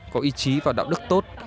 có ý chí và đạo đức tốt